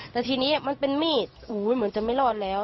แต่ทีนี้มันเป็นมีดเหมือนจะไม่รอดแล้ว